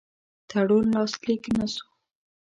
تړون لاسلیک نه سو.